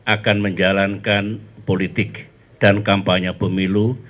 akan menjalankan politik dan kampanye pemilu